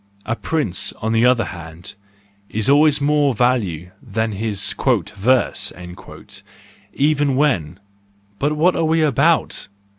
A prince, on the other hand, is always of more value than his "verse," even when—but what are we about?